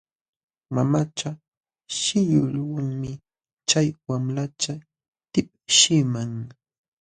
Mamacha shillunwanmi chay wamlacha tipshiqman.